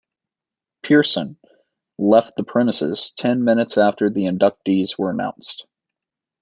Pearson left the premises ten minutes after the inductees were announced.